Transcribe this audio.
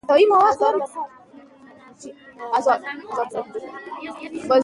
اوبزین معدنونه د افغانستان د انرژۍ سکتور برخه ده.